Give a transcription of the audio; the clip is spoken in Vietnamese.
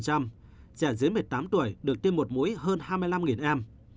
trẻ dưới một mươi tám tuổi được tiêm một mũi hơn hai mươi năm em